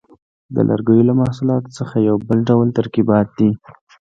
د لرګیو له محصولاتو څخه یو بل ډول ترکیبات دي.